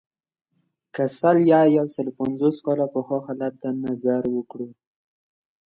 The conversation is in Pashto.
که سل یا یو سلو پنځوس کاله پخوا حالت ته نظر وکړو.